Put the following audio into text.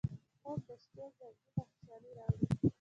خوب د شپه زړګي ته خوشالي راوړي